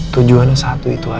tujuannya satu itu aja